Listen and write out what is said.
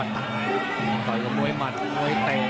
ต่อยกับมวยหมัดมวยเตะ